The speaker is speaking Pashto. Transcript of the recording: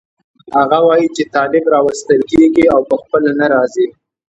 هغه وایي چې طالب راوستل کېږي او په خپله نه راځي.